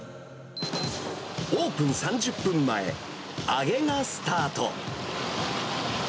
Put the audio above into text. オープン３０分前、揚げがスタート。